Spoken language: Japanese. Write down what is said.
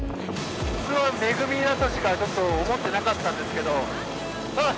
普通は恵みだとしかちょっと思ってなかったんですけどあっ